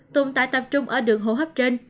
tùng tại tập trung ở đường hồ hấp trên